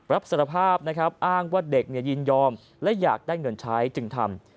รับสารภาพนะครับอ้างว่าเด็กยินยอมและอยากได้เงินใช้จึงทำ